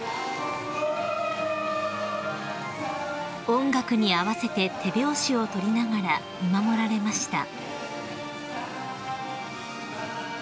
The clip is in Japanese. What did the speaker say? ［音楽に合わせて手拍子を取りながら見守られました］